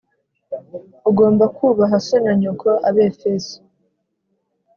ugomba kubaha so na nyoko Abefeso